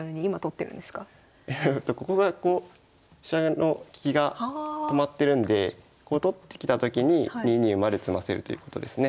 ここがこう飛車の利きが止まってるんでこう取ってきたときに２二馬で詰ませるということですね。